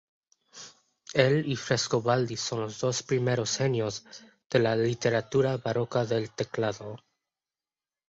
Él y Frescobaldi son los dos primeros genios de la literatura barroca del teclado.